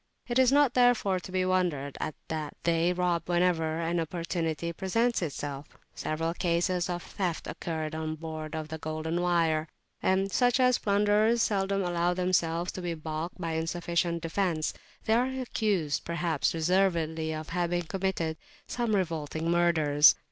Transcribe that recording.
It is not therefore to be wondered at that they rob whenever an opportunity presents itself. Several cases of theft occurred on board the "Golden Wire"; and as such plunderers seldom allow themselves to be baulked by insufficient defence, they are accused, perhaps deservedly, of having committed some revolting murders.